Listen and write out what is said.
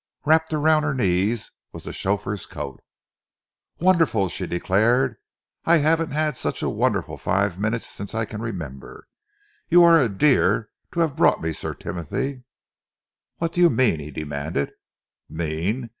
Wrapped around her knees was the chauffeur's coat. "Wonderful!" she declared. "I haven't had such a wonderful five minutes since I can remember! You are a dear to have brought me, Sir Timothy." "What do you mean?" he demanded. "Mean?"